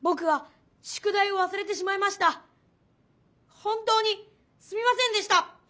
本当にすみませんでした！